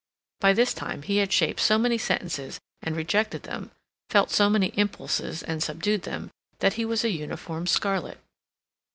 By this time he had shaped so many sentences and rejected them, felt so many impulses and subdued them, that he was a uniform scarlet.